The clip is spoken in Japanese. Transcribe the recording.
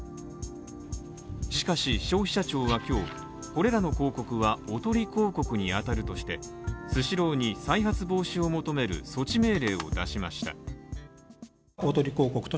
しかし消費者庁は今日、これらの広告は、おとり広告に当たるとしてスシローに再発防止を求める措置命令を出しました。